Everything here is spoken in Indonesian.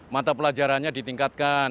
mata pelajarannya ditingkatkan